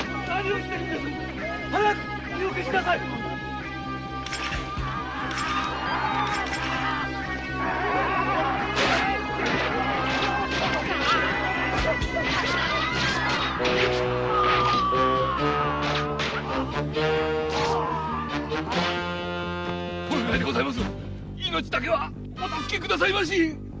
命だけはお助けくださいまし！